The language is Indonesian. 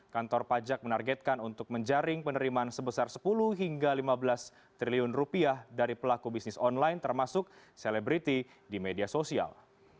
kantor pajak menargetkan untuk menjaring penerimaan sebesar sepuluh hingga lima belas triliun rupiah dari pelaku bisnis online termasuk selebriti di media sosial